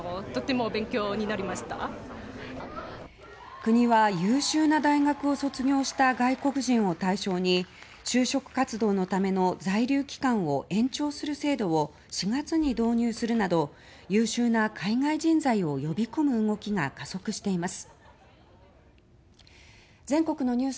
国は優秀な大学を卒業した外国人を対象に就職活動のための在留期間を延長する制度を４月に導入するなど優秀な海外人材を呼び込む動きが加速しています。